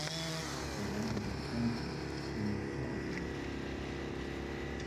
They landed at Sandwip in Chattogram.